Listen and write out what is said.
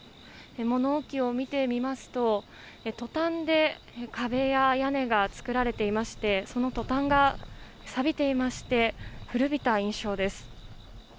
物置を見てみますとトタンで壁や屋根が作られていましてそのトタンがさびていまして古びた印象です。